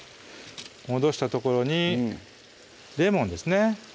戻したところにレモンですね